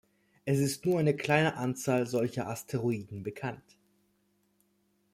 Es ist nur eine kleine Anzahl solcher Asteroiden bekannt.